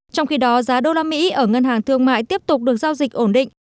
trong khi đó giá đô la mỹ ở ngân hàng thương mại tiếp tục được giao dịch ổn định